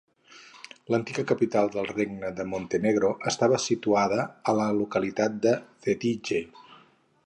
L'antiga capital del regne de Montenegro estava situada a la localitat de Cetinje.